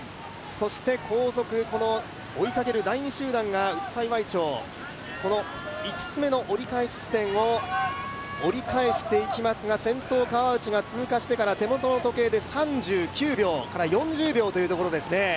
そして後続、追いかける第２集団が内幸町、この５つ目の折り返し地点を折り返していきますが先頭、川内が通過してから手元の時計で３９秒から４０秒というところですね。